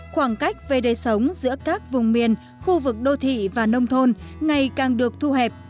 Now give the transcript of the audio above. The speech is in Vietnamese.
khoảng cách về đời sống giữa các vùng miền khu vực đô thị và nông thôn ngày càng được thu hẹp